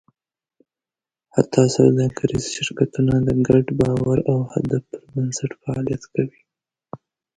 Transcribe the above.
حتی سوداګریز شرکتونه د ګډ باور او هدف پر بنسټ فعالیت کوي.